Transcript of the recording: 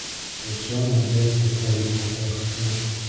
با جان و دل به کاری پرداختن